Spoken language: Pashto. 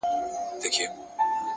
وخت د ارادې ملګری نه انتظار,